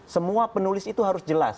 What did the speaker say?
semua penulis itu harus jelas